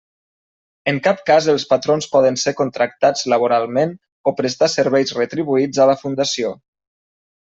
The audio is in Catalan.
En cap cas els patrons poden ser contractats laboralment o prestar serveis retribuïts a la Fundació.